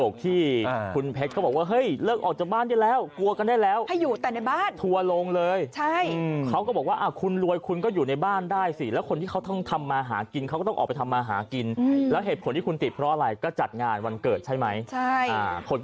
คุณคิดดูกันว่ามันทรมานขนาดไหน